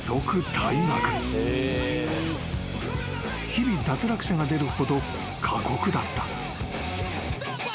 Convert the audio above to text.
［日々脱落者が出るほど過酷だった］